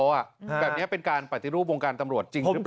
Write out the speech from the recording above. แบบนี้เป็นการปฏิรูปวงการตำรวจจริงหรือเปล่า